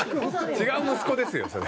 違う息子ですよ、それ。